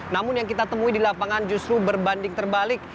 namun yang kita temui di lapangan justru berbanding terbalik